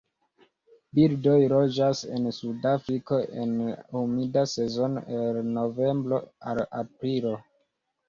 Birdoj loĝas en Sudafriko en la humida sezono el novembro al aprilo.